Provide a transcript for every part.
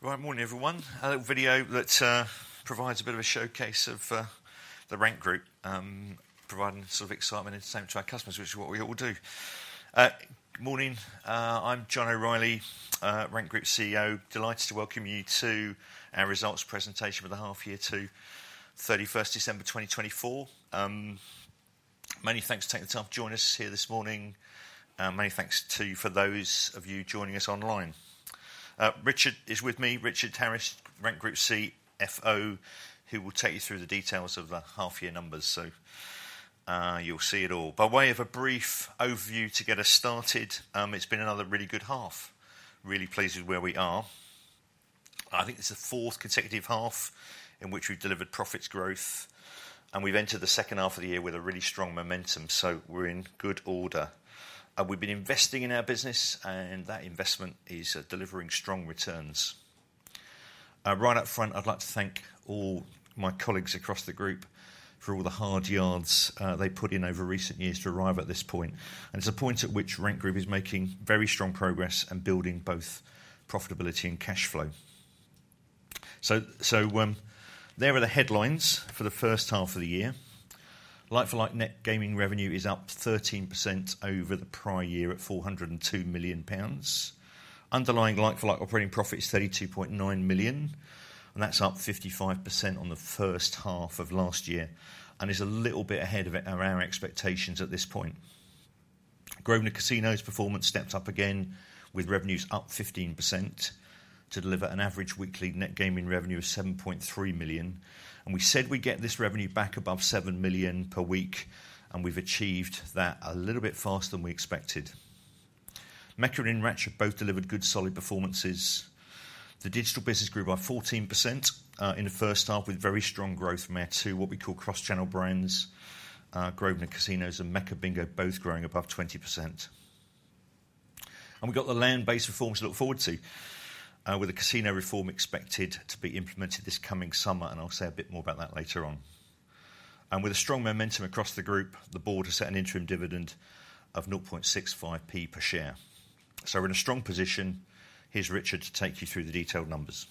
Right. Morning everyone. A little video that provides a bit of a showcase of the Rank Group, providing sort of excitement, entertainment to our customers, which is what we all do. Good morning, I'm John O'Reilly, Rank Group CEO. Delighted to welcome you to our results Presentation for the Half Year to 31st December 2024. Many thanks for taking the time for joining us here this morning. Many thanks to those of you joining us online. Richard is with me. Richard Harris, Rank Group CFO, who will take you through the details of the half year numbers. So you'll see it all by way of a brief overview to get us started. It's been another really good half, really pleased with where we are. I think it's the fourth consecutive half in which we've delivered profits growth and we've entered the second half of the year with a really strong momentum. So we're in good order. We've been investing in our business and that investment is delivering strong returns right up front. I'd like to thank all my colleagues across the group for all the hard yards they put in over recent years to arrive at this point. And it's a point at which Rank Group is making very strong progress and building both profitability and cash flow. So there are the headlines for the first half of the year. Like-for-like net gaming revenue is up 13% over the prior year at 402 million pounds underlying. Like-for-like operating profit is 32.9 million and that's up 55% on the first half of last year and is a little bit ahead of our expectations at this point. Grosvenor Casinos' performance stepped up again with revenues up 15% to deliver an average weekly net gaming revenue of 7.3 million, and we said we get this revenue back above 7 million per week and we've achieved that a little bit faster than we expected. Mecca and Enracha both delivered good, solid performances. The digital business grew by 14% in the first half with very strong growth from our two what we call cross-channel brands, Grosvenor Casinos and Mecca Bingo, both growing above 20%, and we got the land-based reforms to look forward to with the casino reform expected to be implemented this coming summer, and I'll say a bit more about that later on. With a strong momentum across the group, the board has set an interim dividend of 0.65p per share. We're in a strong position. Here's Richard to take you through the detailed numbers.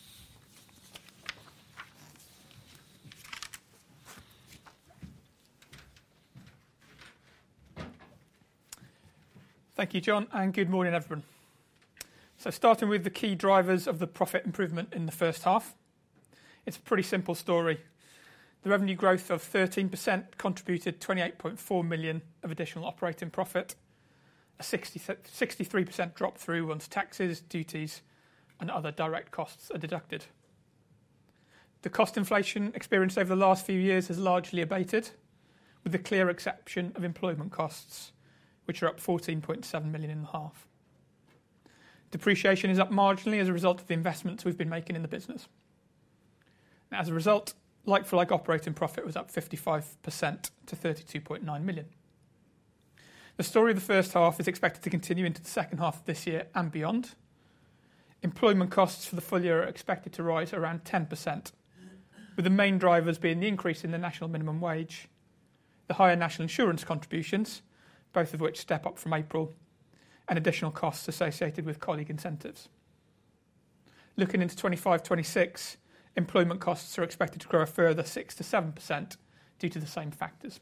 Thank you, John, and good morning everyone. So starting with the key drivers of the profit improvement in the first half, it's a pretty simple story. The revenue growth of 13% contributed 28.4 million of additional operating profit. A 63% drop through once taxes, duties and other direct costs are deducted. The cost inflation experienced over the last few years has largely abated, with the clear exception of employment costs, which are up 15.2 million. Depreciation is up marginally as a result of the investments we've been making in the business. As a result, like-for-like operating profit was up 55% to 32.9 million. The story of the first half is expected to continue into the second half of this year and beyond. Employment costs for the full year are expected to rise around 10%, with the main drivers being the increase in the National Minimum Wage, the higher National Insurance contributions, both of which step up from April, and additional costs associated with colleague incentives. Looking into 2026, employment costs are expected to grow a further 6-7% due to the same factors.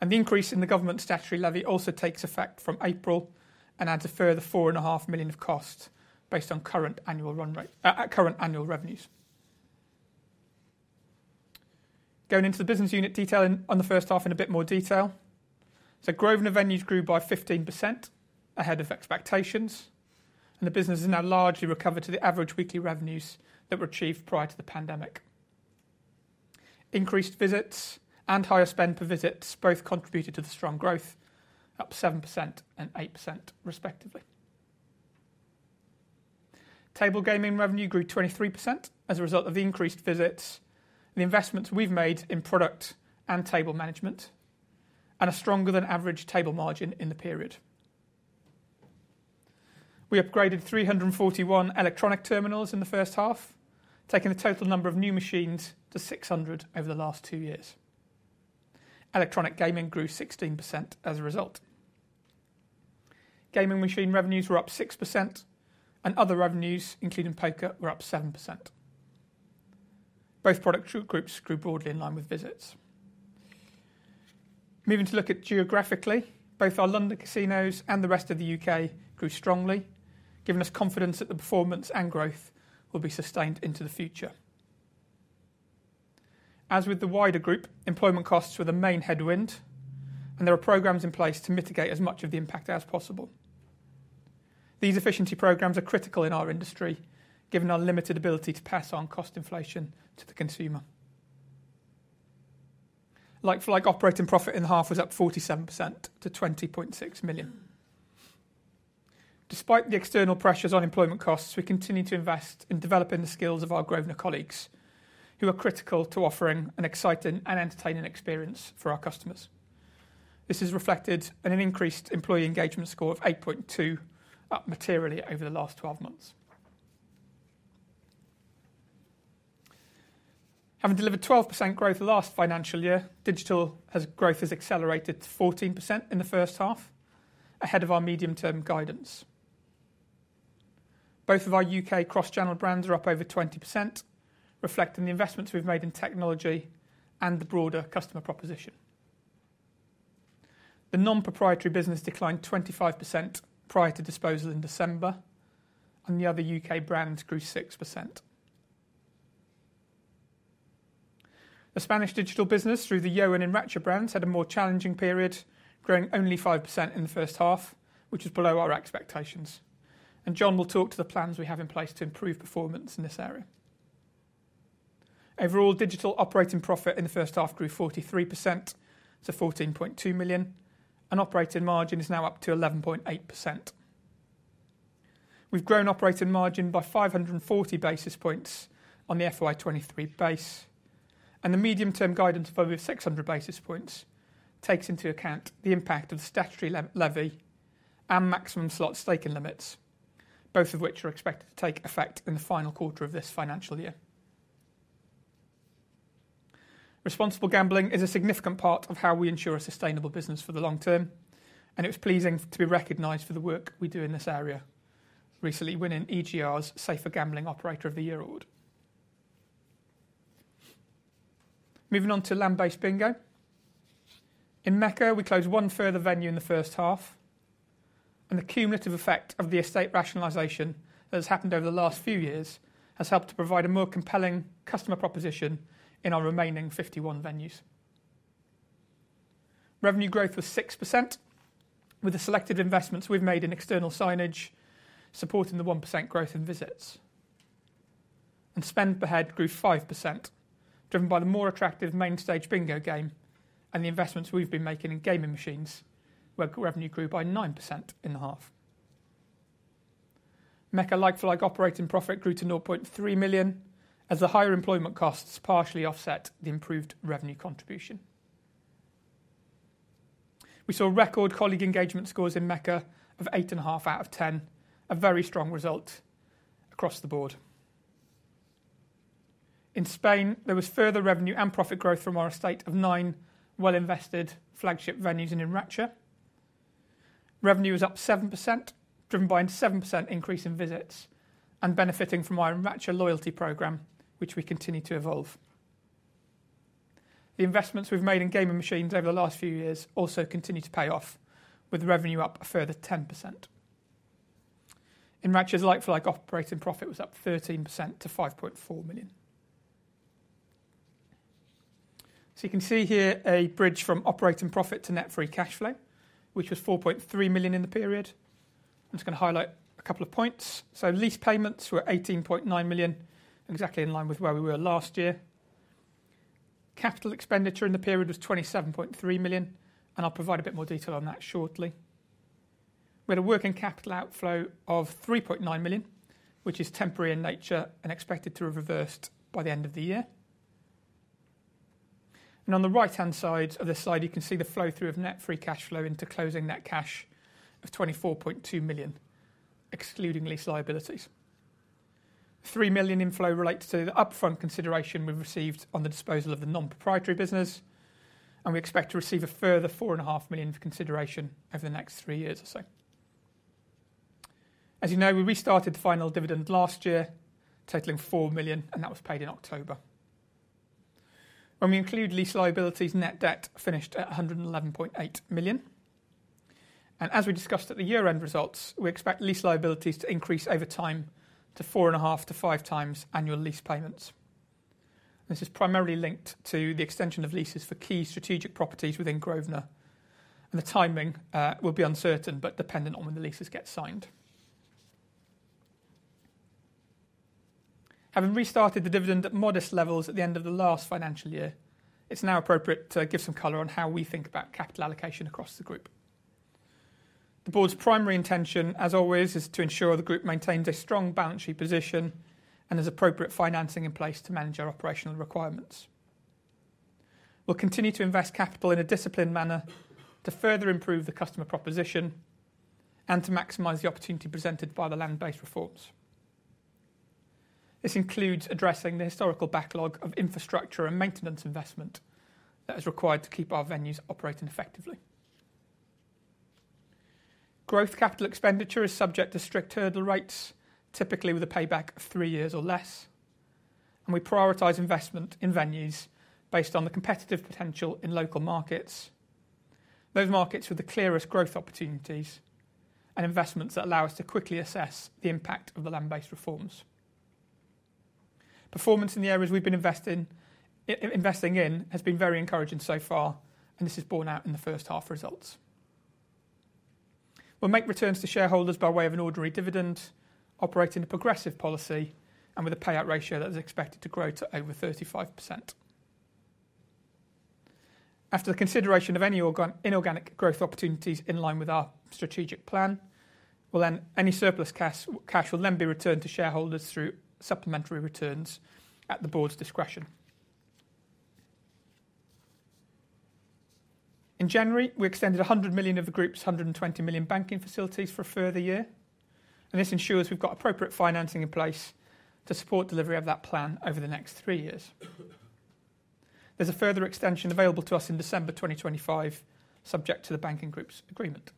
And the increase in the Government Statutory Levy also takes effect from April and adds a further 4.5 million of cost based on current annual run rate. Current annual revenues going into the business unit. Detail on the first half in a bit more detail. So Grosvenor venues grew by 15% ahead of expectations and the business has now largely recovered to the average weekly revenues that were achieved prior to the pandemic. Increased visits and higher spend per visits both contributed to the strong growth, up 7% and 8% respectively. Table gaming revenue grew 23% as a result of the increased visits. The investments we've made in product and table management and a stronger than average table margin in the period. We upgraded 341 electronic terminals in the first half, taking the total number of new machines to 600 over the last two years. Electronic gaming grew 16% as a result. Gaming machine revenues were up 6% and other revenues, including poker, were up 7%. Both product groups grew broadly in line with visits. Moving to look at geographically, both our London casinos and the rest of the U.K. grew strongly, giving us confidence that the performance and growth will be sustained into the future. As with the wider group employees, employment costs were the main headwind and there are programs in place to mitigate as much of the impact as possible. These efficiency programs are critical in our industry given our limited ability to pass on cost inflation to the consumer. Like-for-like, operating profit in the half was up 47% to 20.6 million. Despite the external pressures on employment costs, we continue to invest in developing the skills of our Grosvenor colleagues who are critical to offering an exciting and entertaining experience for our customers. This is reflected in an increased employee engagement score of 8.2, up materially over the last 12 months. Having delivered 12% growth last financial year, digital growth has accelerated 14% in the first half ahead of our medium term guidance. Both of our U.K. Cross-Channel brands are up over 20%, reflecting the investments we've made in technology and the broader customer proposition. The non-proprietary business declined 25% prior to disposal in December and the other U.K. brands grew 6%. The Spanish digital business through the Yo and Enracha brands had a more challenging period, growing only 5% in the first half, which is below our expectations, and John will talk to the plans we have in place to improve performance in this area. Overall digital operating profit in the first half grew 43% to 14.2 million and operating margin is now up to 11.8%. We've grown operating margin by 540 basis points on the FY23 base and the medium term guidance of over 600 basis points takes into account the impact of the Statutory Levy and maximum slot staking limits, both of which are expected to take effect in the final quarter of this financial year. Responsible gambling is a significant part of how we ensure a sustainable business for the long term and it was pleasing to be recognized for the work we do in this area recently winning EGR's Safer Gambling Operator of the Year award. Moving on to land-based bingo in Mecca, we closed one further venue in the first half and the cumulative effect of the estate rationalization that has happened over the last few years has helped to provide a more compelling customer proposition. In our remaining 51 venues, revenue growth was 6% with the selected investments we've made in external signage supporting the 1% growth in visits and spend per head grew 5% driven by the more attractive Main Stage Bingo game and the investments we've been making in gaming machines where revenue grew by 9% in the half. Mecca like-for-like operating profit grew to 0.3 million as the higher employment costs partially offset the improved revenue contribution. We saw record colleague engagement scores in Mecca of 8.5 out of 10, a very strong result across the board. In Spain there was further revenue and profit growth from our estate of nine well invested flagship venues. In Enracha, revenue was up 7%, driven by a 7% increase in visits and benefiting from our Enracha loyalty program which we continue to evolve. The investments we've made in gaming machines over the last few years also continue to pay off with revenue up a further 10%. In Enracha's Like-for-like, operating profit was up 13% to 5.4 million. So you can see here a bridge from operating profit to net free cash flow, which was 4.3 million in the period. I'm just going to highlight a couple of points. So lease payments were 18.9 million exactly in line with where we were last year. Capital expenditure in the period was 27.3 million and I'll provide a bit more detail on that shortly. We had a working capital outflow of 3.9 million which is temporary in nature and expected to have reversed by the end of the year. On the right hand side of the slide you can see the flow through of net free cash flow into closing net cash of 24.2 million excluding lease liabilities, 3 million inflow relates to the upfront consideration we've received on the disposal of the non-proprietary business. We expect to receive a further 4.5 million for consideration over the next three years or so. As you know, we restarted the final dividend last year totaling 4 million and that was paid in October. When we include lease liabilities, net debt finished at 111.8 million. As we discussed at the year end results, we expect lease liabilities to increase over time to 4.5-5x annual lease payments. This is primarily linked to the extension of leases for key strategic properties within Grosvenor and the timing will be uncertain but dependent on when the leases get signed. Having restarted the dividend at modest levels at the end of the last financial year, it's now appropriate to give some color on how we think about capital allocation across the group. The Board's primary intention, as always, is to ensure the group maintains a strong balance sheet position and has appropriate financing in place to manage our operational requirements. We'll continue to invest capital in a disciplined manner to further improve the customer proposition and to maximize the opportunity presented by the land based reforms. This includes addressing the historical backlog of infrastructure and maintenance investment that is required to keep our venues operating effectively. Growth capital expenditure is subject to strict hurdle rates, typically with a payback of three years or less, and we prioritize investment in venues based on the competitive potential in local markets, those markets with the clearest growth opportunities, and investments that allow us to quickly assess the impact of the land-based reforms. Performance in the areas we've been investing in has been very encouraging so far, and this is borne out in the first half results. We'll make returns to shareholders by way of an ordinary dividend, operate in a progressive policy, and with a payout ratio that is expected to grow to over 35% after the consideration of any inorganic growth opportunities in line with our strategic plan. Any surplus cash will then be returned to shareholders through supplementary returns at the Board's discretion. In January we extended 100 million of the group's 120 million banking facilities for a further year and this ensures we've got appropriate financing in place to support delivery of that plan over the next three years. There's a further extension available to us in December 2025, subject to the banking group's agreement.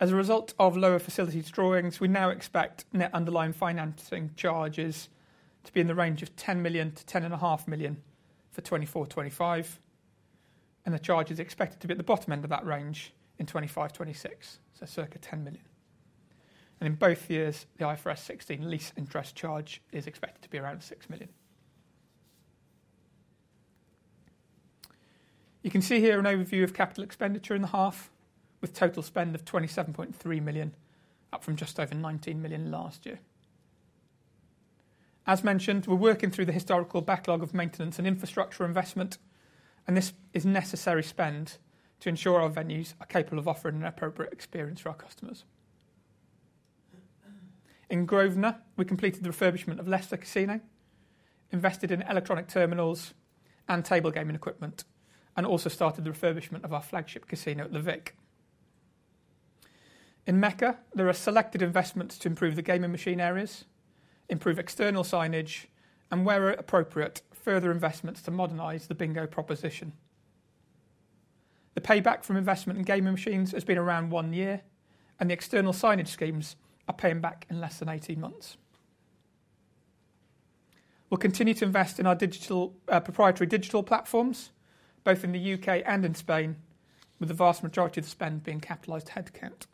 As a result of lower facilities drawings, we now expect net underlying financing charges to be in the range of 10 million-10.5 million for 2024/2025 and the charge is expected to be at the bottom end of that range in 2025/26, so circa 10 million. In both years the IFRS 16 lease interest charge is expected to be around 6 million. You can see here an overview of capital expenditure in the half with total spend of 27.3 million, up from just over 19 million last year. As mentioned, we're working through the historical backlog of maintenance and infrastructure investment and this is necessary spend to ensure our venues are capable of offering an appropriate experience for our customers. In Grosvenor, we completed the refurbishment of Leicester Casino, invested in electronic terminals and table gaming equipment and also started the refurbishment of our flagship casino at the Vic. In Mecca, there are selected investments to improve the gaming machine areas, improve external signage and where appropriate, further investments to modernize the bingo proposition. The payback from investment in gaming machines has been around one year and the external signage schemes are paying back in less than 18 months. We'll continue to invest in our proprietary digital platforms both in the U.K. and in Spain, with the vast majority of the spend being capitalised headcount.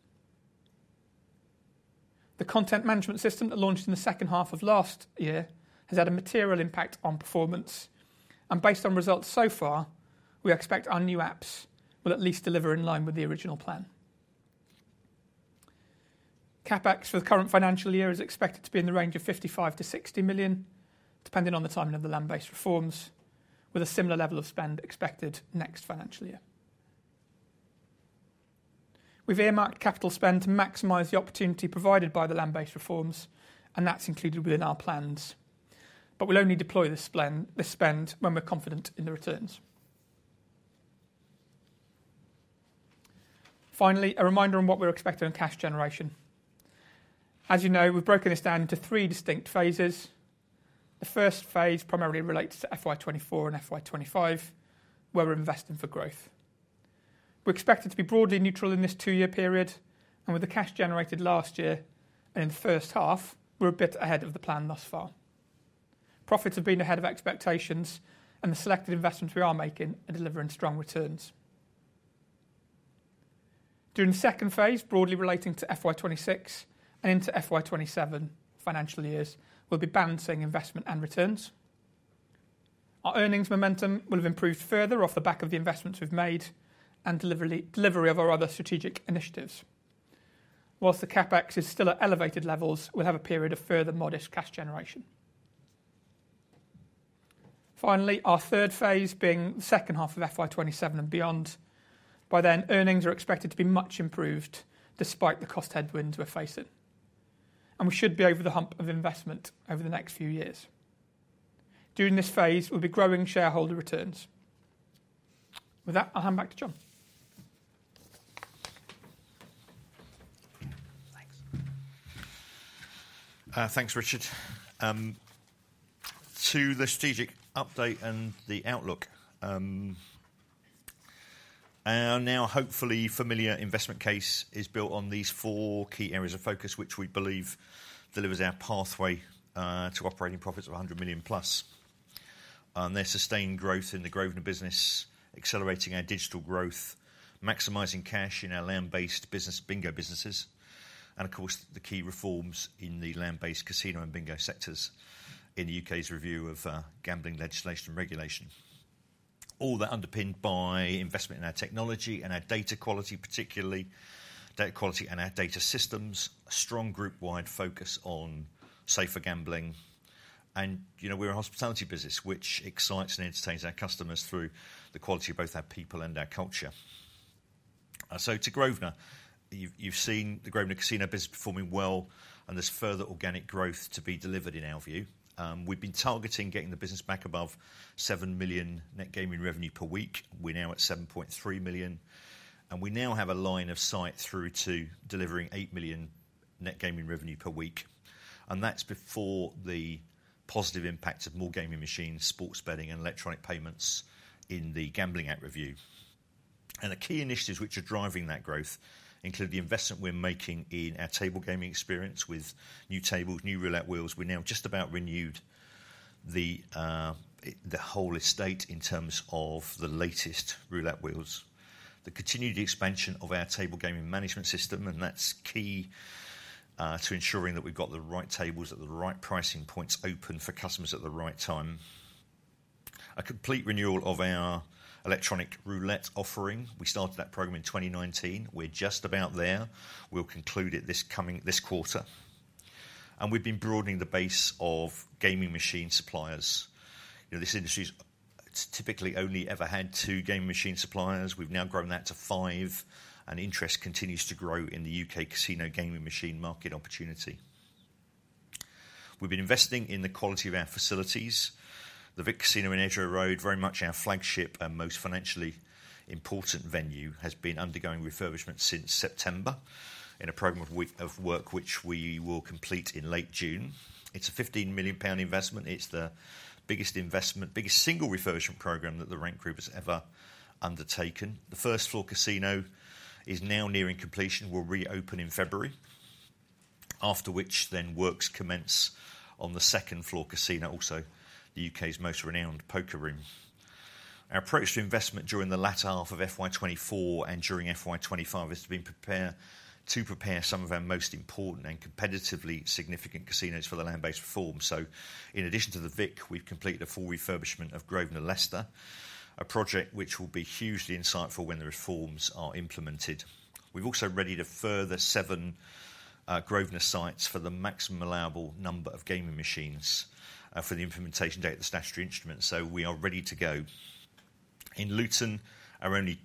The content management system that launched in the second half of last year has had a material impact on performance and based on results so far, we expect our new apps will at least deliver in line with the original plan. CapEx for the current financial year is expected to be in the range of 55 million-60 million depending on the timing of the land based reforms, with a similar level of spend expected next financial year. We've earmarked capital spend to maximize the opportunity provided by the land based reforms and that's included within our plans, but we'll only deploy this spend when we're confident in the returns. Finally, a reminder on what we're expecting on cash generation. As you know, we've broken this down into three distinct phases. The first phase primarily relates to FY24 and FY25 where we're investing for growth. We expect it to be broadly neutral in this two-year period and with the cash generated last year and in the first half, we're a bit ahead of the plan. Thus far, profits have been ahead of expectations and the selected investments we are making are delivering strong returns. During the second phase, broadly relating to FY26 and into FY27 financial years, we'll be balancing investment and returns. Our earnings momentum will have improved further off the back of the investments we've made and delivery of our other strategic initiatives. While the CapEx is still at elevated levels, we'll have a period of further modest cash generation. Finally, our third phase being the second half of FY27 and beyond. By then, earnings are expected to be much improved, despite the cost headwinds we're facing and we should be over the hump of investment over the next few years. During this phase we'll be growing shareholder returns. With that, I'll hand back to John. Thanks, Richard, to the strategic update and the outlook. Our now hopefully familiar investment case is built on these four key areas of focus which we believe delivers our pathway to operating profits of +100 million, their sustained growth in the Grosvenor business, accelerating our digital growth, maximizing cash in our land-based business, bingo businesses and of course the key reforms in the land-based casino and bingo sectors in the U.K.'s Review of Gambling legislation, regulation, all that underpinned by investment in our technology and our data quality, particularly data quality and our data systems, strong group-wide focus on safer gambling and you know, we're a hospitality business which excites and entertains our customers through the quality of both our people and our culture. So to Grosvenor. You've seen the Grosvenor casino business performing well and there's further organic growth to be delivered. In our view, we've been targeting getting the business back above 7 million net gaming revenue per week. We're now at 7.3 million and we now have a line of sight through to delivering 8 million net gaming revenue per week. That's before the positive impact of more gaming machines, sports betting and electronic payments. The gambling app review and the key initiatives which are driving that growth include the investment we're making in our table gaming experience with new tables, new roulette wheels. We now just about renewed the whole estate in terms of the latest roulette wheels, the continued expansion of our table gaming management system and that's key to ensuring that we've got the right tables at the right pricing points, open for customers at the right time. A complete renewal of our electronic roulette offering. We started that program in 2019. We're just about there. We'll conclude it this coming quarter and we've been broadening the base of gaming machine suppliers. This industry typically only ever had two gaming machine suppliers. We've now grown that to five. And interest continues to grow in the U.K. casino gaming machine market opportunity. We've been investing in the quality of our facilities. The Vic Casino in Edgware Road, very much our flagship and most financially important venue, has been undergoing refurbishment since September in a program of work which we will complete in late June. It's a 15 million pound investment. It's the biggest investment, biggest single refurbishment program that the Rank Group has ever undertaken. The first floor casino is now nearing completion, will reopen in February after which then works commence on the second floor casino, also the U.K.'s most renowned poker room. Our approach to investment during the latter half of FY24 and during FY25 is to prepare some of our most important and competitively significant casinos for the land-based reform. So in addition to the Vic, we've completed a full refurbishment of Grosvenor Leicester, a project which will be hugely insightful when the reforms are implemented. We've also readied a further seven Grosvenor sites for the maximum allowable number of gaming machines for the implementation date of the statutory instruments. So we are ready to go. In Luton, our only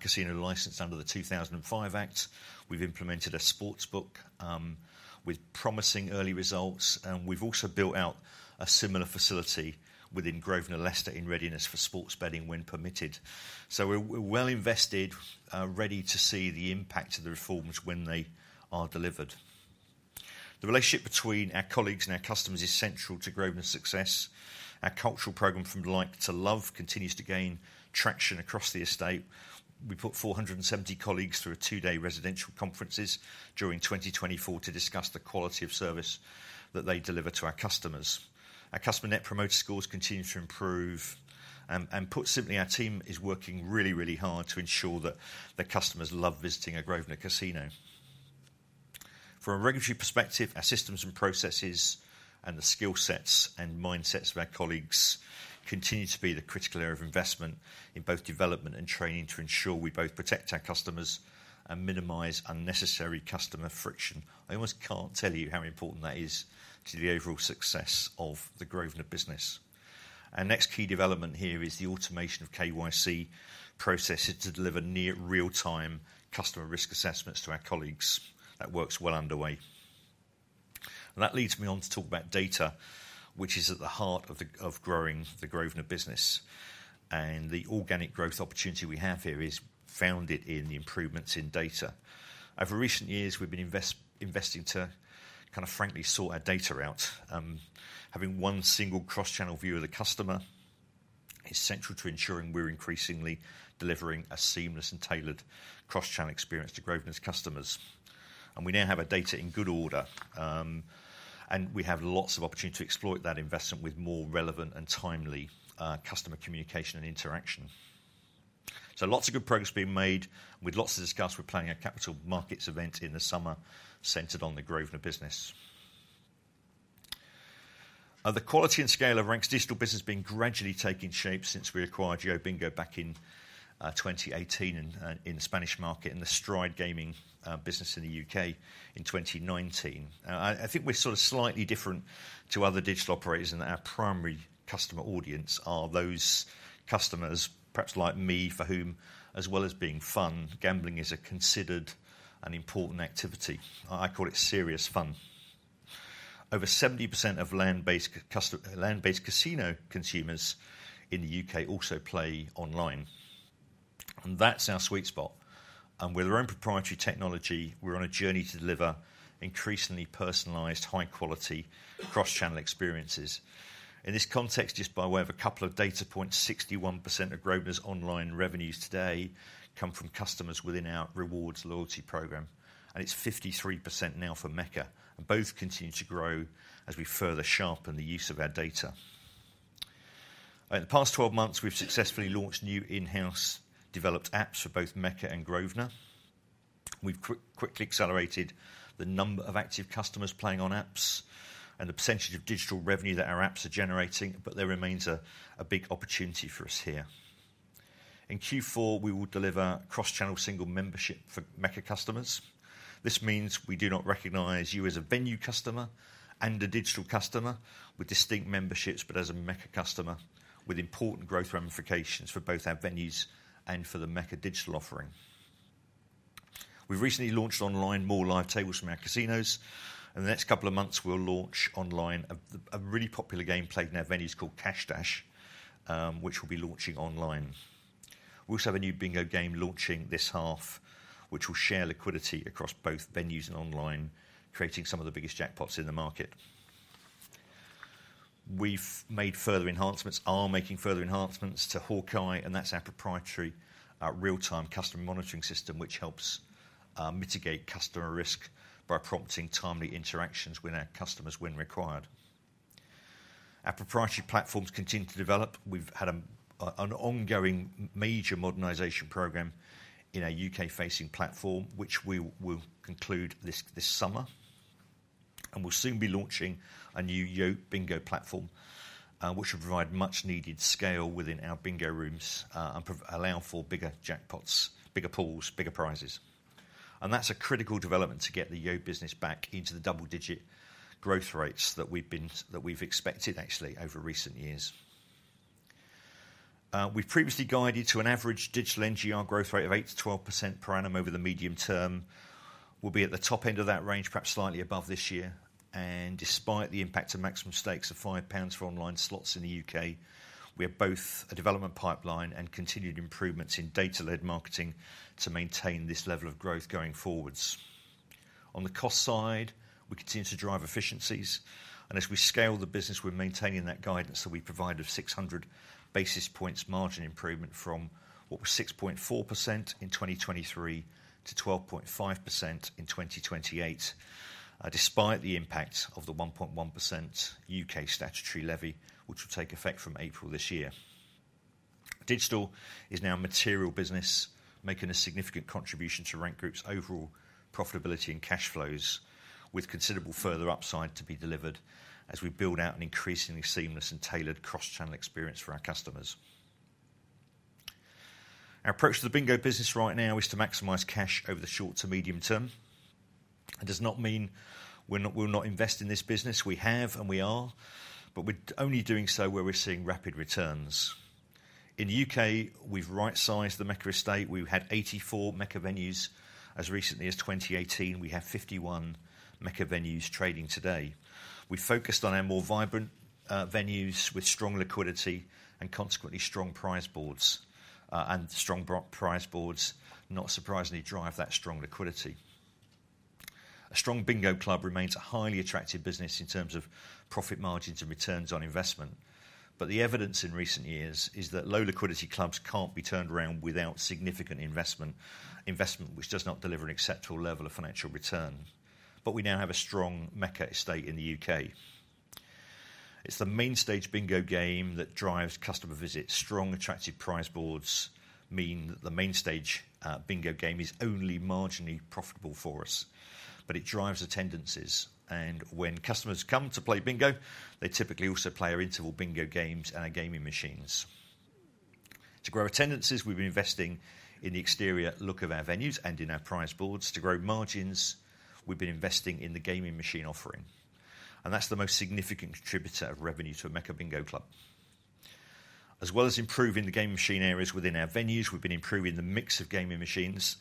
casino licensed under the 2005 Act, we've implemented a sportsbook with promising early results. And we've also built out a similar facility within Grosvenor Leicester in readiness for sports betting when permitted. So we're well invested, ready to see the impact of the reforms when they delivered. The relationship between our colleagues and our customers is central to Grosvenor's success. Our cultural program from Like to Love continues to gain traction across the estate. We put 470 colleagues through a two-day residential conferences during 2024 to discuss the quality of service that they deliver to our customers. Our customer net promoter scores continue to improve and put simply, our team is working really, really hard to ensure that their customers love visiting a Grosvenor casino. From a regulatory perspective, our systems and processes and the skill sets and mindsets of our colleagues continue to be the critical area of investment in both development and training to ensure we both protect our customers and minimize unnecessary customer friction. I almost can't tell you how important that is to the overall success of the Grosvenor business. Our next key development here is the automation of KYC processes to deliver near real-time customer risk assessments to our colleagues. That works well underway. That leads me on to talk about data, which is at the heart of growing the Grosvenor business, and the organic growth opportunity we have here is founded in the improvements in data over recent years. We've been investing to kind of frankly sort our data out. Having one single cross channel view of the customer is central to ensuring we're increasingly delivering a seamless and tailored cross channel experience to Grosvenor's customers, and we now have a data in good order and we have lots of opportunity to exploit that investment with more relevant and timely customer communication and interaction, so lots of good progress being made. With lots to discuss, we're planning a capital markets event in the summer centered on the Grosvenor business. The quality and scale of Rank's digital business has been gradually taking shape since we acquired YoBingo back in 2018 in the Spanish market and the Stride Gaming business in the U.K. in 2019. I think we're sort of slightly different to other digital operators and our primary customer audience are those customers perhaps like me, for whom, as well as being fun, gambling is a considered important activity. I call it serious fun. Over 70% of land based casino consumers in the U.K. also play online and that's our sweet spot. With our own proprietary technology we're on a journey to deliver increasingly personalized high-quality cross-channel experiences. In this context, just by way of a couple of data points, 61% of Grosvenor's online revenues today come from customers within our rewards loyalty program and it's 53% now for Mecca and both continue to grow as we further sharpen the use of our data. In the past 12 months we've successfully launched new in house developed apps for both Mecca and Grosvenor. We've quickly accelerated the number of active customers playing on apps and the percentage of digital revenue that our apps are generating. But there remains a big opportunity for us here. In Q4 we will deliver cross channel single membership for Mecca customers. This means we do not recognize you as a venue customer and a digital customer with distinct memberships, but as a Mecca customer with important growth ramifications for both our venues and for the Mecca digital offering. We've recently launched online more live tables from our casinos. In the next couple of months we'll launch online a really popular game played in our venues called Cash Dash which will be launching online. We also have a new bingo game launching this half which will share liquidity across both venues and online, creating some of the biggest jackpots in the market. We've made further enhancements, are making further enhancements to Hawkeye and that's our proprietary real-time customer monitoring system which helps mitigate customer risk by prompting timely interactions with our customers when required. Our proprietary platforms continue to develop. We've had an ongoing major modernization program in a U.K.-facing platform which we will conclude this summer, and we'll soon be launching a new YoBingo bingo platform which will provide much needed scale within our bingo rooms and allow for bigger jackpots, bigger pools, bigger prizes. And that's a critical development to get the Yo business back into the double-digit growth rates that we've expected actually over recent years. We've previously guided to an average digital NGR growth rate of 8-12% per annum. Over the medium term, we'll be at the top end of that range, perhaps slightly above this year, and despite the impact of maximum stakes of 5 pounds for online slots in the U.K., we have both a development pipeline and continued improvements in data-led marketing to maintain this level of growth going forwards. On the cost side, we continue to drive efficiencies and as we scale the business, we're maintaining that guidance that we provide of 600 basis points margin improvement from what was 6.4% in 2023 to 2.5% in 2028. Despite the impact of the 1.1% U.K. Statutory Levy which will take effect from April this year, digital is now a material business, making a significant contribution to Rank Group's overall profitability and cash flows with considerable further upside to be delivered as we build out an increasingly seamless and tailored cross channel experience for our customers. Our approach to the bingo business right now is to maximize cash over the short to medium term. It does not mean we'll not invest in this business. We have and we are, but we're only doing so where we're seeing rapid returns in the U.K. We've right-sized the Mecca Estate. We had 84 Mecca venues as recently as 2018. We have 51 Mecca venues trading today. We focused on our more vibrant venues with strong liquidity and consequently strong prize boards, and strong prize boards not surprisingly drive that strong liquidity. A strong bingo club remains a highly attractive business in terms of profit margins and returns on investment. But the evidence in recent years is that low liquidity clubs can't be turned around without significant investment, which does not deliver an acceptable level of financial return, but we now have a strong Mecca estate in the U.K. It's the Main Stage Bingo game that drives customer visits. Strong attractive prize boards mean the Main Stage Bingo game is only marginally profitable for us, but it drives attendances, and when customers come to play bingo, they typically also play our interval bingo games and our gaming machines. To grow attendances, we've been investing in the exterior look of our venues and in our prize boards. To grow margins, we've been investing in the gaming machine offering and that's the most significant contributor of revenue to a Mecca bingo club. As well as improving the gaming machine areas within our venues, we've been improving the mix of gaming machines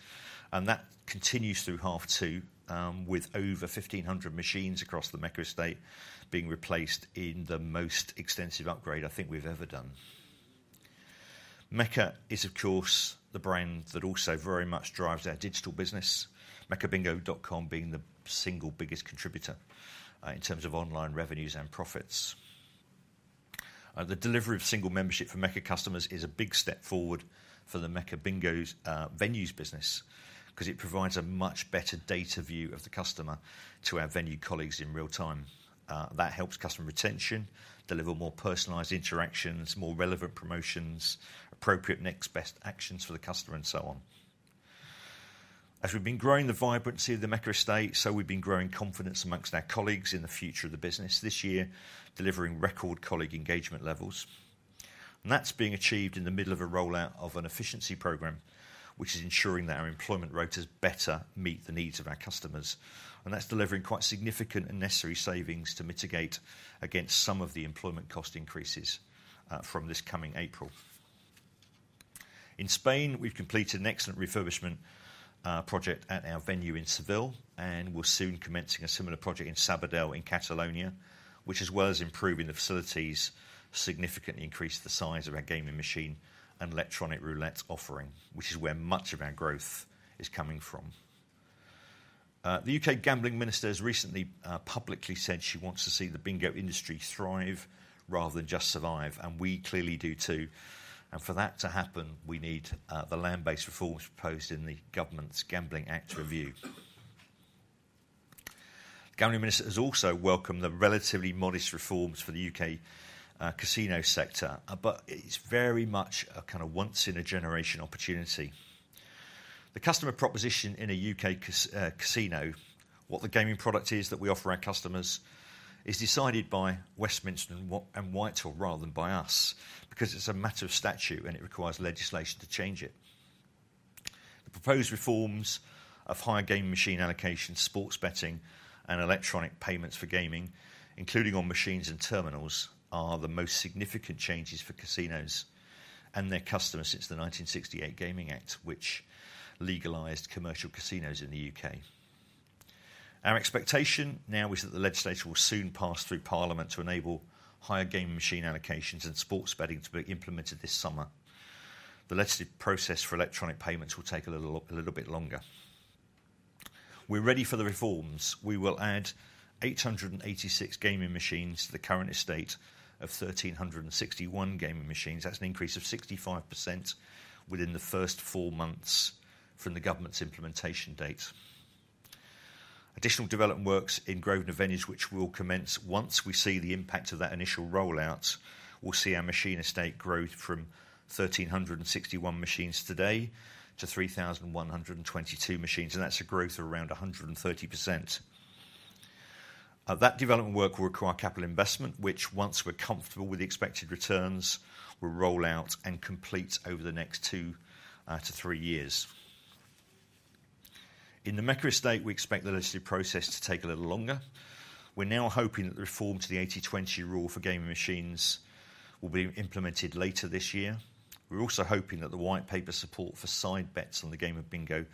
and that continues through half two, with over 1,500 machines across the Mecca estate being replaced in the most extensive upgrade I think we've ever done. Mecca is of course the brand that also very much drives our digital business. MeccaBingo.com being the single biggest contributor in terms of online revenues and profits. The delivery of single membership for Mecca customers is a big step forward for the Mecca bingo venues business because it provides a much better data view of the customer to our venue colleagues in real time. That helps customer retention, deliver more personalized interactions, more relevant promotions, appropriate next best actions for the customer and so on. As we've been growing the vibrancy of the Mecca Estate, so we've been growing confidence among our colleagues in the future of the business. This year delivering record colleague engagement levels and that's being achieved in the middle of a rollout of an efficiency program which is ensuring that our employment rates better meet the needs of our customers and that's delivering quite significant and necessary savings to mitigate against some of the employment cost increases from this coming April. In Spain, we've completed an excellent refurbishment project at our venue in Seville and we're soon commencing a similar project in Sabadell in Catalonia, which as well as improving the facilities, significantly increased the size of our gaming machine and electronic roulette offering, which is where much of our growth is coming from. The U.K. Gambling Minister has recently publicly said she wants to see the bingo industry thrive rather than just survive, and we clearly do too, and for that to happen, we need the land-based reforms proposed in the government's Gambling Act review. The Gambling Minister has also welcomed the relatively modest reforms for the U.K. casino sector, but it's very much a kind of once-in-a-generation opportunity. The customer proposition in a U.K. casino, what the gaming product is that we offer our customers, is decided by Westminster and Whitehall rather than by us, because it's a matter of statute and it requires legislation to change it. The proposed reforms of higher gaming machine allocation, sports betting and electronic payments for gaming, including on machines and terminals, are the most significant changes for casinos and their customers since the 1968 Gaming Act, which legalized commercial casinos in the U.K. Our expectation now is that the legislature will soon pass through Parliament to enable higher gaming machine allocations and sports betting to be implemented. This summer, the legislative process for electronic payments will take a little bit longer. We're ready for the reforms. We will add 886 gaming machines to the current estate of 1361 gaming machines. That's an increase of 65%. We will within the first four months from the Government's implementation date. Additional development works in Grosvenor venues, which will commence once we see the impact of that initial rollout, will see our machine estate grow from 1,361 machines today to 3,122 machines, and that's a growth of around 130%. That development work will require capital investment which, once we're comfortable with the expected returns, will roll out and complete over the next two to three years. In the Mecca estate, we expect the legislative process to take a little longer. We're now hoping that the reform to the 80/20 Rule for gaming machines will be implemented later this year. We're also hoping that the White Paper support for side bets on the game of bingo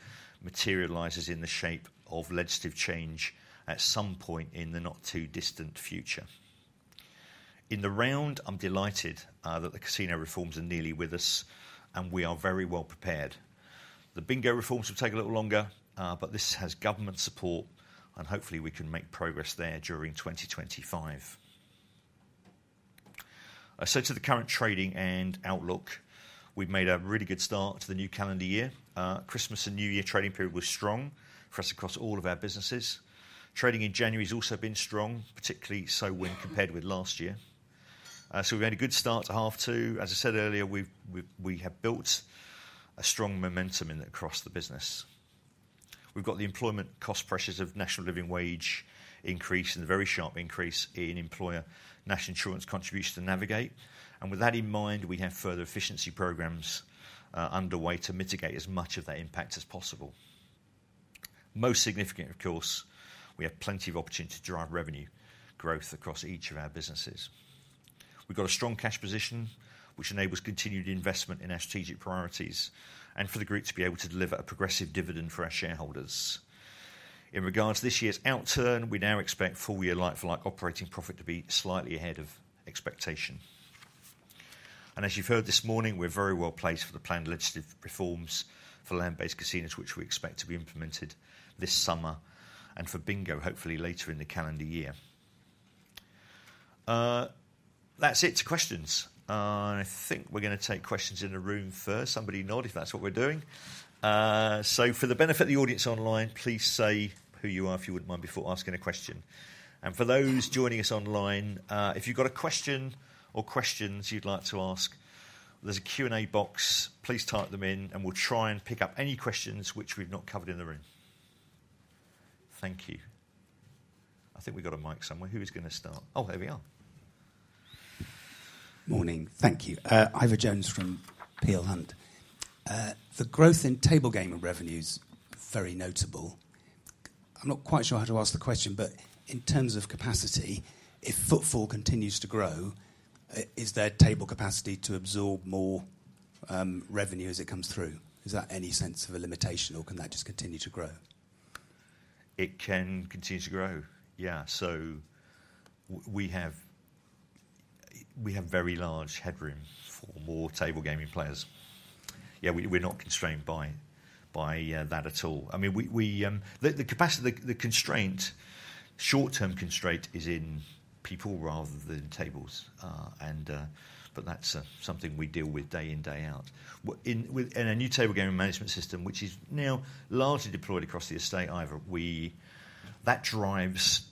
materializes in the shape of legislative change at some point in the not too distant future in the round. I'm delighted that the casino reforms are nearly with us and we are very well prepared. The bingo reforms will take a little longer, but this has government support and hopefully we can make progress there during 2025. So, to the current trading and outlook, we've made a really good start to the new calendar year. Christmas and new year trading period was strong for us across all of our businesses. Trading in January has also been strong, particularly so when compared with last year. So we've had a good start to half two. As I said earlier, we have built a strong momentum across the business. We've got the employment cost pressures of National Living Wage increase and very sharp increase in employer national insurance contribution to navigate. And with that in mind, we have further efficiency programs underway to mitigate as much of that impact as possible. Most significant, of course, we have plenty of opportunity to drive revenue growth across each of our businesses. We've got a strong cash position which enables continued investment in our strategic priorities and for the group to be able to deliver a progressive dividend for our shareholders. In regards to this year's outturn, we now expect full year like-for-like operating profit to be slightly ahead of expectation. And as you've heard this morning, we're very well placed for the planned legislative reforms for land based casinos which we expect to be implemented this summer and for bingo, hopefully later in the calendar year. That's it. To questions. I think we're going to take questions in a room first. Somebody nod if that's what we're doing. So for the benefit of the audience online, please say who you are, if you wouldn't mind before asking a question. And for those joining us online, if you've got a question or questions you'd like to ask, there's a Q&A box. Please type them in and we'll try and pick up any questions which we've not covered in the room. Thank you. I think we've got a mic somewhere. Who is going to start? Oh, here we are. Morning. Thank you. Ivor Jones from Peel Hunt. The growth in table gaming revenues, very notable. I'm not quite sure how to ask the question, but in terms of capacity, if footfall continues to grow, is there table capacity to absorb more revenue as it comes through? Is there any sense of a limitation or can that just continue to grow? It can continue to grow, yeah. So we have, we have very large headroom for more table gaming players. Yeah, we're not constrained by that at all. I mean the constraint, short term constraint, is in people rather than tables. But that's something we deal with day in, day out in a new table gaming management system which is now largely deployed across the estate. Either that drives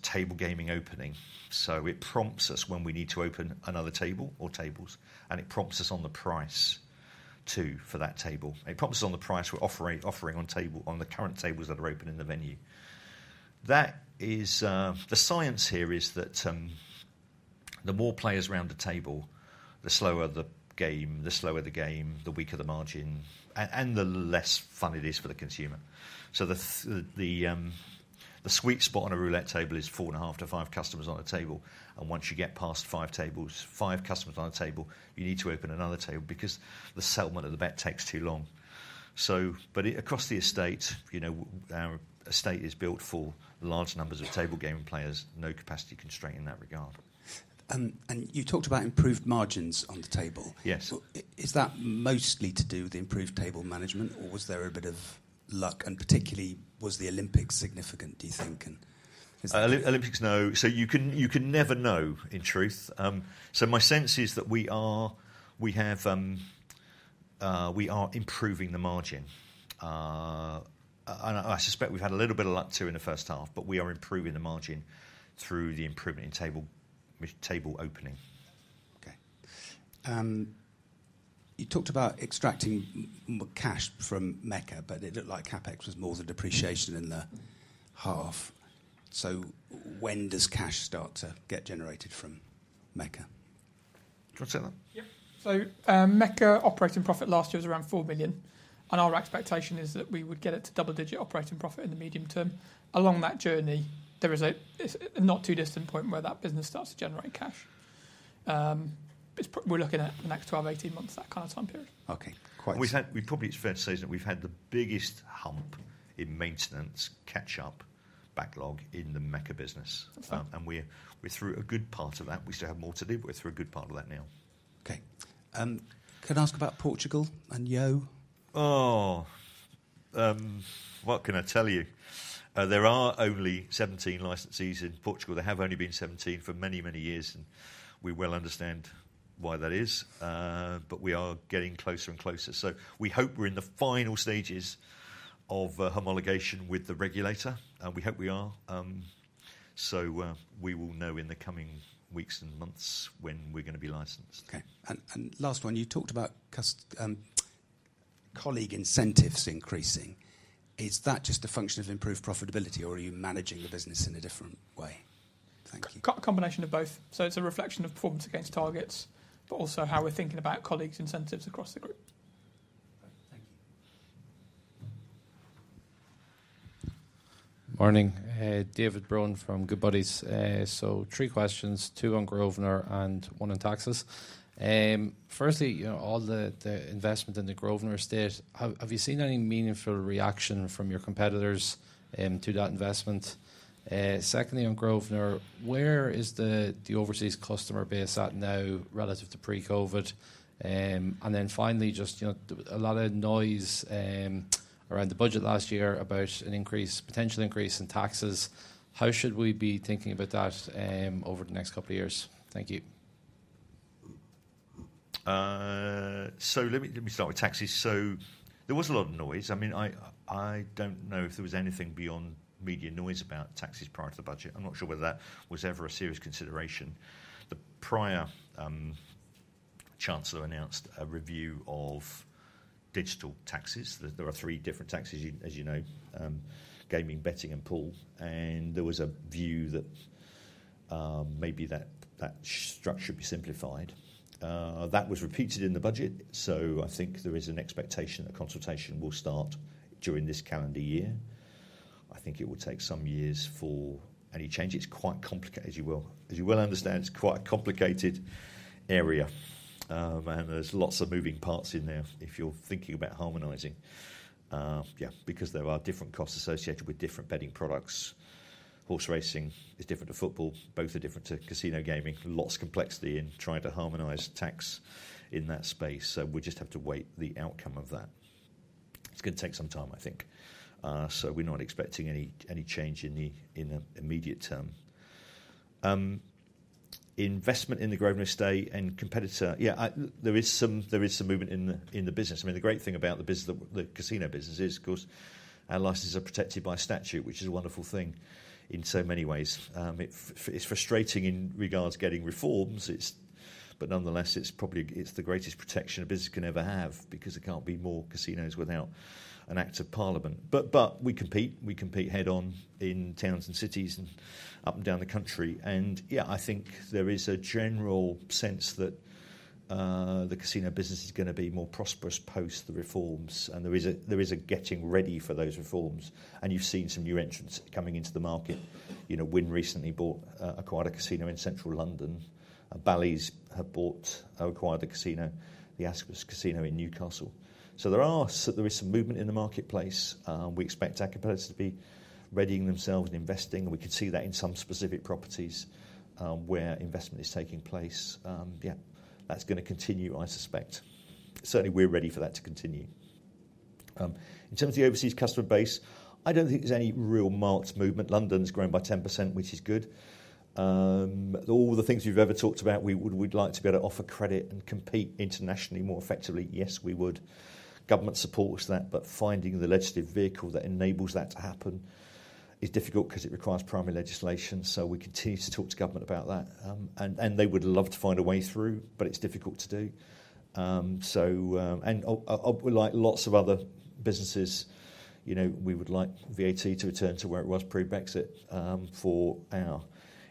table gaming opening. So it prompts us when we need to open another table or tables. And it prompts us on the price too, for that table. It prompts us on the price we're offering on table on the current tables that are open in the venue. That is the science here is that the more players around the table, the slower the game. The slower the game, the weaker the margin and the less fun it is for the consumer. The sweet spot on a roulette table is four and a half to five customers on a table. And once you get past five tables, five customers on a table, you need to open another table because the settlement of the bet takes too long. But across the estate, you know, our estate is built for large numbers of table game players. No capacity constraint in that regard. You talked about improved margins on the table. Yes. Is that mostly to do with improved table management or was there a bit of lack of luck? And particularly was the Olympics significant, do you think? You know. So you can never know in truth. So my sense is that we are improving the margin, and I suspect we've had a little bit of luck too in the first half, but we are improving the margin through the improvement in table opening. Okay. You talked about extracting cash from Mecca, but it looked like CapEx was more than depreciation in the half. So when does cash start to get generated from Mecca? Mecca operating profit last year was around 4 million, and our expectation is that we would get it to double digit operating profit in the medium term. Along that journey, there is a not too distant point where that business starts to generate cash. We're looking at the next 12-18 months, that kind of time period. Okay. Quite probably. It's fair to say that we've had the biggest hump in maintenance catch up backlog in the Mecca business and we're through a good part of that. We still have more to do, but we're through a good part of that now. Okay. Can I ask about Portugal and Yo? Oh, what can I tell you? There are only 17 licenses in Portugal. There have only been 17 for many, many years. And we will understand why that is. But we are getting closer and closer. So we hope we're in the final stages of homologation with the regulator. We hope we are. So we will know in the coming weeks and months when we're going to be licensed. Okay. And last one, you talked about colleague incentives increasing. Is that just a function of improved profitability or are you managing the business in a different way? Thank you. Combination of both. So it's a reflection of performance against targets, but also how we're thinking about colleagues incentives across the group. Thank you. Morning. David Brohan from Goodbody. So three questions, two on Grosvenor and one on taxes. Firstly, all the investment in the Grosvenor estate. Have you seen any meaningful reaction from your competitors to that investment? Secondly, on Grosvenor, where is the overseas customer base at now relative to pre Covid? And then finally just a lot of noise around the budget last year about an increase, potential increase in taxes. How should we be thinking about that over the next couple of years? Thank you. So let me start with taxes. So there was a lot of noise. I mean I don't know if there was anything beyond media noise about taxes prior to the budget. I'm not sure whether that was ever a serious consideration. The prior Chancellor announced a review of digital taxes. There are three different taxes, as you know, gaming, betting and pool. There was a view that maybe that structure be simplified. That was repeated in the budget. I think there is an expectation a consultation will start during this calendar year. I think it will take some years for any change. It's quite complicated as you well understand. It's quite a complicated area and there's lots of moving parts in there if you're thinking about harmonizing because there are different costs associated with different betting products. Horse racing is different to football, both are different to casino gaming. Lots of complexity in trying to harmonize tax in that space. We just have to wait the outcome of that. It's going to take some time, I think. We're not expecting any change in the immediate term investment in the Grosvenor estate and competitor. Yeah, there is some movement in the business. The great thing about the casino business is of course our licenses are protected by statute, which is a wonderful thing in so many ways. It's frustrating in regard to getting reforms but nonetheless it's probably. It's the greatest protection a business can ever have because there can't be more casinos without an act of parliament. But we compete, we compete head on in towns and cities and up and down the country. And yeah, I think there is a general sense that the casino business is going to be more prosperous post the recent reforms and there is a getting ready for those reforms and you've seen some new entrants coming into the market. You know, Wynn recently bought, acquired a casino in central London. Bally's have bought, acquired a casino, the Aspers Casino in Newcastle. So there are, there is some movement in the marketplace. We expect [A&S Security] to be readying themselves and investing, and we could see that in some specific properties where investment is taking place because yeah, that's going to continue I suspect. Certainly we're ready for that to continue. In terms of the overseas customer base, I don't think there's any real marked movement. London's growing by 10% which is good. All the things we've ever talked about. We'd like to be able to offer credit and compete internationally more effectively. Yes, we would. Government supports that but finding the legislative vehicle that enables that to happen is difficult because it requires primary legislation. So we continue to talk to government about that and they would love to find a way through but it's difficult to do so. Like lots of other businesses, you know, we would like VAT to return to where it was pre-Brexit for our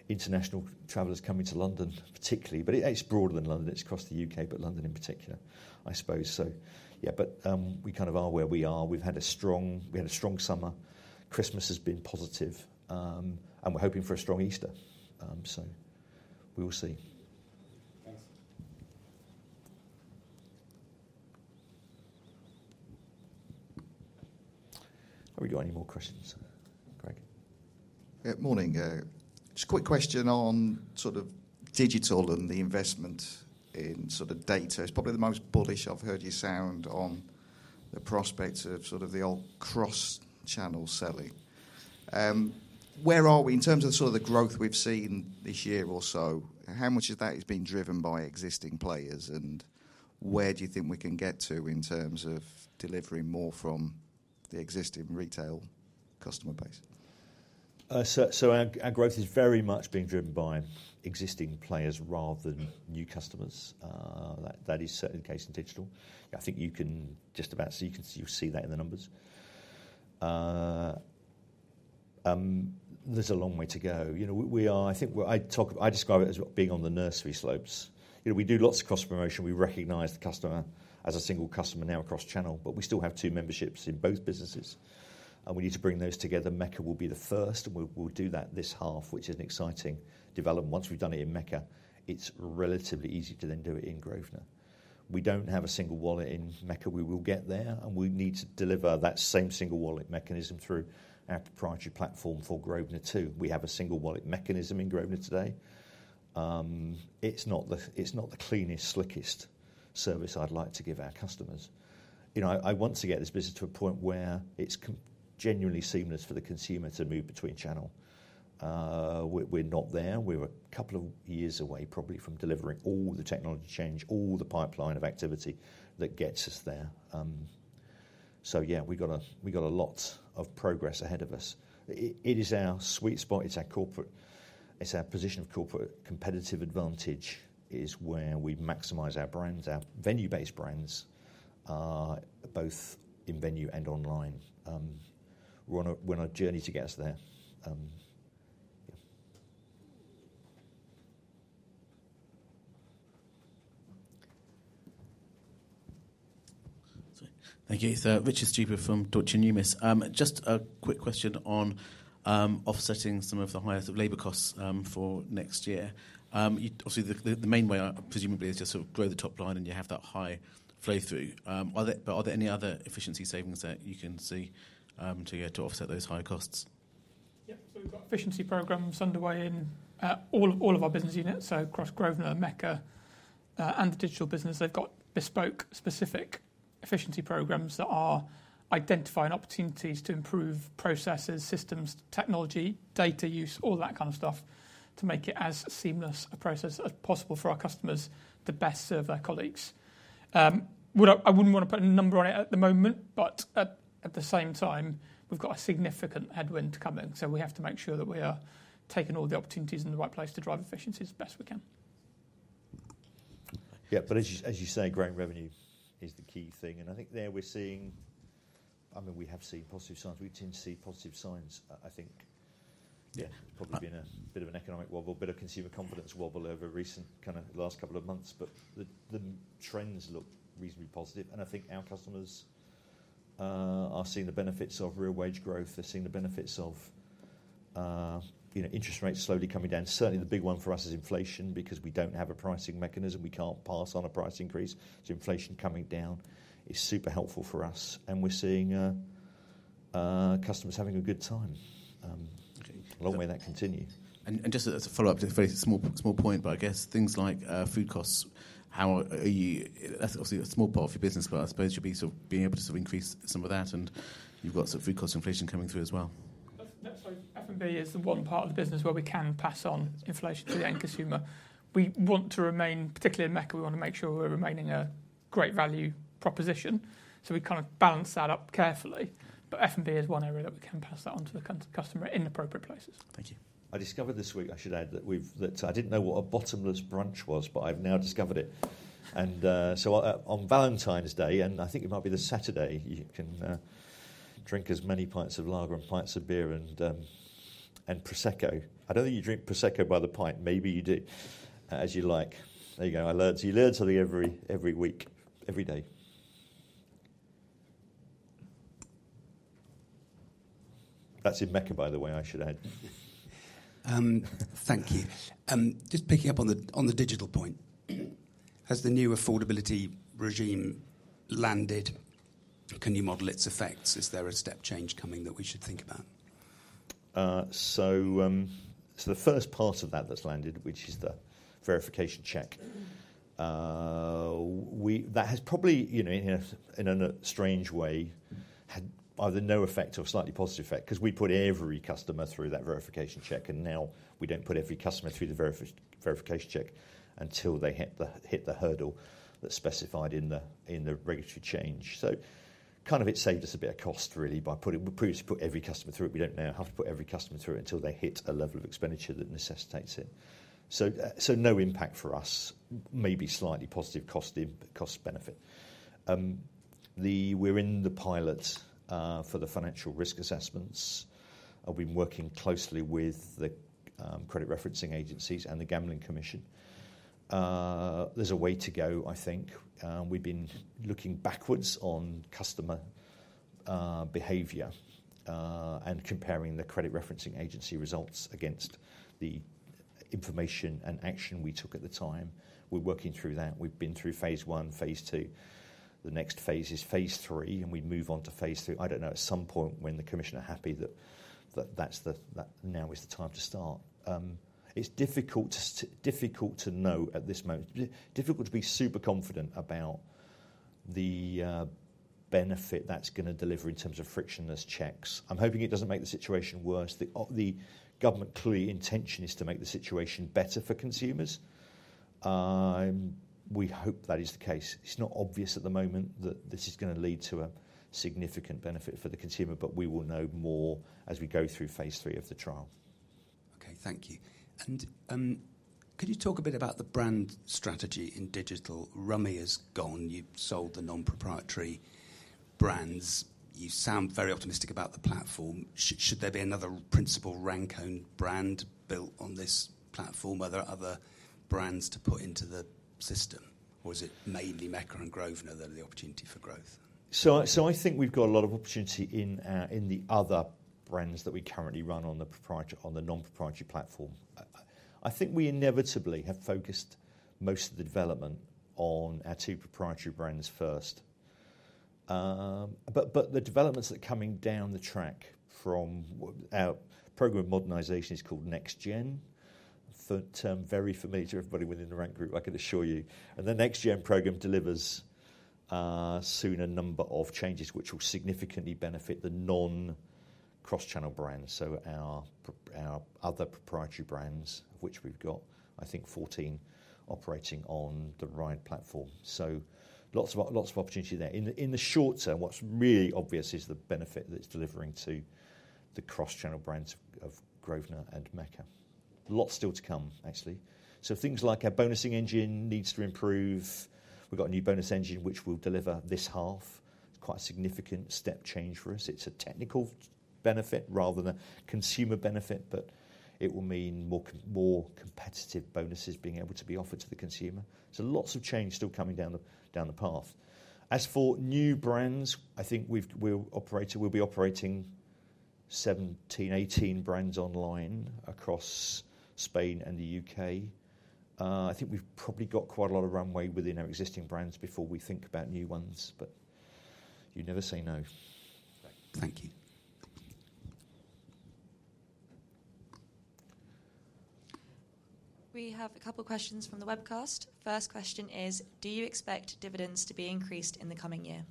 international travelers coming to London particularly. It's broader than London. It's across the U.K. but London in particular. I suppose so, yeah, but we kind of are where we are. We've had a strong, we had a strong summer. Christmas has been positive and we're hoping for a strong Easter. We will see. Thanks. Have we got any more questions? Greg. Morning. Just a quick question on sort of digital and the investment in sort of data. It's probably the most bullish I've heard you sound on the prospect of sort of the old cross channel selling. Where are we in terms of sort of the growth we've seen this year or so? How much of that is being driven by existing players and where do you think we can get to in terms of delivering more from the existing retail customer base? So our growth is very much being driven by existing players rather than new customers. That is certainly the case in digital. I think you can just about see that in the numbers. There's a long way to go. You know we are, I think I describe it as being on the nursery slopes. You know, we do lots of cross promotion. We recognize the customer as a single customer now across channel but we still have two memberships in both businesses and we need to bring those together. Mecca will be the first and we'll do that this half which is an exciting development. Once we've done it in Mecca, it's relatively easy to then do it in Grosvenor. We don't have a single wallet in Mecca. We will get there, and we need to deliver that same single wallet mechanism through our proprietary platform for Grosvenor too. We have a single wallet mechanism in Grosvenor today. It's not the cleanest, slickest service I'd like to give our customers. I want to get this business to a point where it's genuinely seamless for the consumer to move between channels. We're not there. We're a couple of years away, probably, from delivering all the technology change, all the pipeline of activity that gets us there. So yeah, we got a lot of progress ahead of us. It is our sweet spot. It's our position of core competitive advantage, where we maximize our brands, our venue-based brands both in venue and online. We're on a journey to get us there. Thank you Richard Stuber from Deutsche Numis. Just a quick question on offsetting some of the highest labor costs for next year. Obviously the main way, presumably, as you grow the top line and you have that high flow through, but are there any other efficiency savings that you can see to offset those high costs? We've got efficiency programs underway in all of our business units. Across Grosvenor, Mecca and the digital business, they've got bespoke specific efficiency programs that are identifying opportunities to improve processes, systems, technology, data use, all that kind of stuff to make it as seamless a process as possible for our customers to best serve their colleagues. I wouldn't want to put a number on it at the moment, but at the same time we've got a significant headwind coming. We have to make sure that we are taking all the opportunities in the right place to drive efficiency as best we can. Yeah, but as you say, growing revenue is the key thing. And I think there we're seeing, I mean, we have seen positive signs, we tend to see positive signs. I think probably been a bit of an economic wobble, bit of consumer confidence wobble over recent kind of last couple of months, but the trends look reasonably positive. And I think our customers are seeing the benefits of real wage growth. They're seeing the benefits of interest rates slowly coming down. Certainly the big one for us is inflation. Because we don't have a pricing mechanism, we can't pass on a price increase. So, inflation coming down is super helpful for us, and we're seeing customers having a good time as long as that continues. And just as a follow-up to a small point, but I guess things like food costs—that's obviously a small part of your business—but I suppose you'll be able to increase some of that, and you've got food cost inflation coming through as well. F&B is the one part of the business where we can pass on inflation to the end consumer. We want to remain, particularly in Mecca, we want to make sure we're remaining a great value proposition, so we kind of balance that up carefully, but F&B is one area that we can pass that on to the customer in appropriate places. Thank you. I discovered this week, I should add, that I didn't know what a bottomless brunch was, but I've now discovered it on Valentine's Day and I think it might be the Saturday. You can drink as many pints of lager and pints of beer and Prosecco. I don't think you drink Prosecco by the pint. Maybe you do as you like. There you go. You learn something every week, every day. That's in Mecca, by the way, I should add. Thank you. Just picking up on the digital point. Has the new affordability regime landed? Can you model its effects? Is there a step change coming that we should think about? So the first part of that that's landed, which is the verification check, has probably in a strange way had either no effect or slightly positive effect because we put every customer through that verification check and now we don't put every customer through the verification check until they hit the hurdle that's specified in the regulatory change. So kind of it saved us a bit of cost really by putting every customer through it. We don't now have to put every customer through it until they hit a level of expenditure that necessitates it. So no impact for us. Maybe slightly positive cost benefit. We're in the pilot for the financial risk assessments. I've been working closely with the credit referencing agencies and the Gambling Commission. There's a way to go. I think we've been looking backwards on customer behavior and comparing the credit referencing agency results against the information and action we took at the time. We're working through that. We've been through phase one, phase two. The next phase is phase three, and we move on to phase three. I don't know at some point when the Commission are happy that now is the time to start. It's difficult to know at this moment, difficult to be super confident about the benefit that's going to deliver in terms of frictionless checks. I'm hoping it doesn't make the situation worse. The government clearly intention is to make the situation better for consumers. We hope that is the case. It's not obvious at the moment that this is going to lead to a significant benefit for the consumer. But we will know more as we go through phase three of the trial. Okay, thank you. And could you talk a bit about the brand strategy in digital? Rummy has gone. You sold the non proprietary brands. You sound very optimistic about the platform. Should there be another principal Rank own brand built on this platform? Are there other brands to be put into the system or is it mainly Mecca and Grosvenor that are the opportunity for growth? So I think we've got a lot of opportunity in the other brands that we currently run on the non-proprietary platform. I think we inevitably have focused most of the development on our two proprietary brands first. But the developments that are coming down the track from our program modernization is called NextGen. Very familiar to everybody within the Rank Group, I can assure you. And the NextGen program delivers soon. A number of changes which will significantly benefit the non-cross-channel brand. So our other proprietary brands which we've got I think 14 operating on the RIDE platform. So lots of opportunity there in the short term. What's really obvious is the benefit that it's delivering to the cross-channel brands of Grosvenor and Mecca. Lot still to come actually. So things like our bonusing engine needs to improve. We've got a new bonusing engine which will deliver this half. It's quite a significant step change for us. It's a technical benefit rather than a consumer benefit, but it will mean more competitive bonuses being able to be offered to the consumer. So lots of change still coming down the path. As for new brands, I think we'll be operating 17, 18 brands online across Spain and the U.K. I think we've probably got quite a lot of runway within our existing brands before we think about new ones. But you never say no. Thank you. We have a couple questions from the webcast. First question is, do you expect dividends to be increased in the coming year?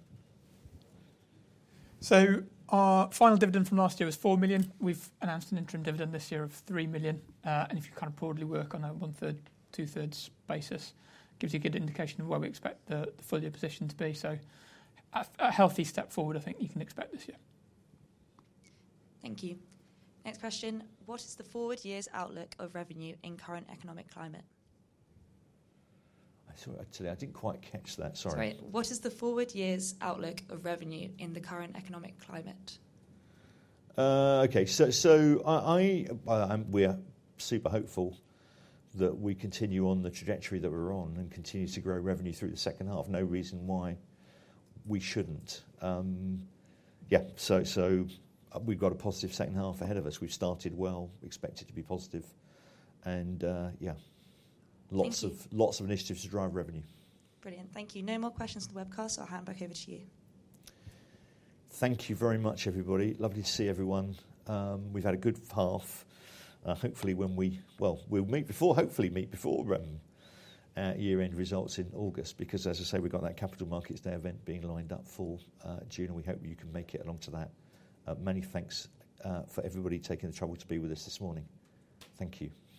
Our final dividend from last year was 4 million. We've announced an interim dividend this year of 3 million. And if you kind of broadly work on a 1/3, 2/3 basis, gives you a good indication of where we expect the full year position to be. So a healthy step forward I think you can expect this year. Thank you. Next question. What is the forward year's outlook of revenue in current economic climate? Actually, I didn't quite catch that. Sorry. What is the forward year's outlook of revenue in the current economic climate? Okay, so we are super hopeful that we continue on the trajectory that we're on and continue to grow revenue through the second half. No reason why we shouldn't. Yeah. So we've got a positive second half ahead of us. We've started well, expect it to be positive and yeah, lots of initiatives to drive revenue. Brilliant. Thank you. No more questions on the webcast. I'll hand back over to you. Thank you very much, everybody. Lovely to see everyone. We've had a good half. Hopefully we'll meet before year end results in August because, as I say, we've got that Capital Markets Day event being lined up for June and we hope you can make it along to that. Many thanks for everybody taking the trouble to be with us this morning. Thank you.